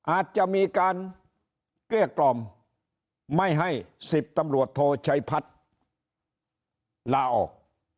อาจจะมีการเกลี้ยกล่อมไม่ให้๑๐ตำรวจโทชัยพัฒน์ลาออก